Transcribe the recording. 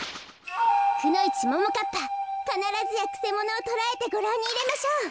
くのいちももかっぱかならずやくせものをとらえてごらんにいれましょう。